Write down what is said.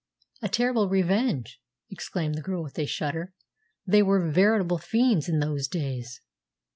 "A terrible revenge!" exclaimed the girl with a shudder. "They were veritable fiends in those days."